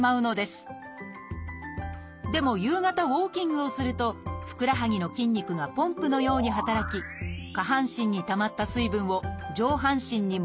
でも夕方ウォーキングをするとふくらはぎの筋肉がポンプのように働き下半身にたまった水分を上半身に戻すことができます。